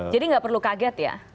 jadi gak perlu kaget ya